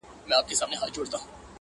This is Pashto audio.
• دنیا ډېره بې وفا ده نه پا یږي,